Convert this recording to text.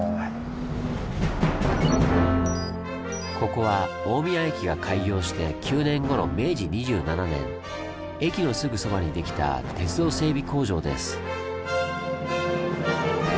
ここは大宮駅が開業して９年後の明治２７年駅のすぐそばにできた鉄道整備工場です。